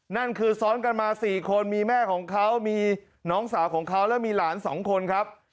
นั่นคือซ้อนกันมา๔คนมีแม่ของเขามีน้องสาวของเขาและมีหลาน๒คนครับ